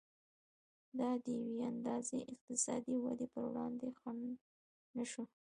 دا د یوې اندازې اقتصادي ودې پر وړاندې خنډ نه شو.